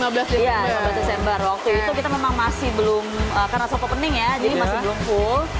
waktu itu kita memang masih belum karena shop opening ya jadi masih belum full